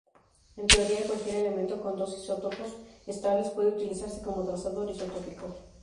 En teoría, cualquier elemento con dos isótopos estables puede utilizarse como trazador isotópico.